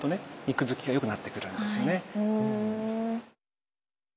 肉づきがよくなってくるんですよね。